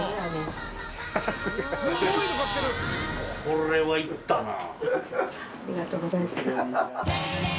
これはいったな。